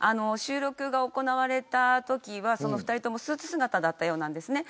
収録が行われたときは２人ともスーツ姿だったようです。